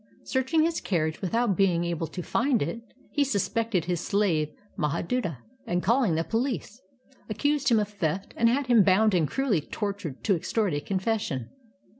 Searching his carriage without being able to find it, he suspected his slave Mahaduta; and calling the police, accused him of theft, and had him bound and cruelly tortured to extort a confession.